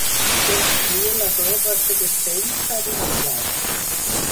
Construir les obres de defensa d'una plaça.